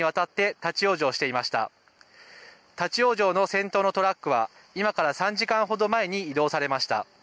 立往生の先頭のトラックは今から３時間ほど前に移動されました。